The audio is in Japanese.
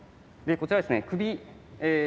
こちらにですね